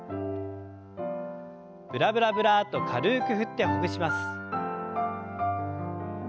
ブラブラブラッと軽く振ってほぐします。